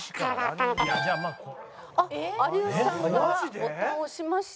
あっ有吉さんがボタンを押しました。